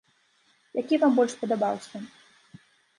Які вам больш спадабаўся?